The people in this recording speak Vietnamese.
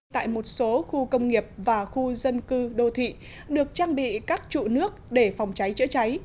tại một số khu công nghiệp và khu dân cư đô thị được trang bị các trụ nước để phòng cháy chữa cháy